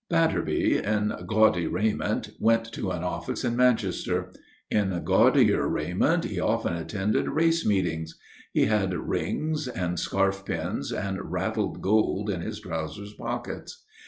Batterby, in gaudy raiment, went to an office in Manchester; in gaudier raiment he often attended race meetings. He had rings and scarf pins and rattled gold in his trousers pockets.